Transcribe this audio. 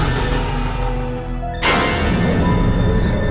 ditambah semoga kita